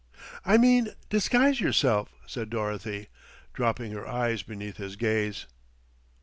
"I mean disguise yourself," said Dorothy, dropping her eyes beneath his gaze.